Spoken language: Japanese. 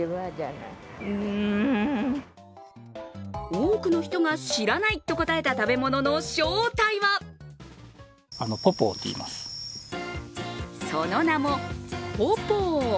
多くの人が知らないと答えた食べ物の正体はその名も、ポポー。